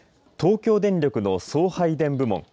東京電力の送配電部門